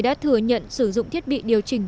đã thừa nhận sử dụng thiết bị điều chỉnh